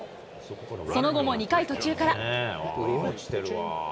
その後も２回途中から。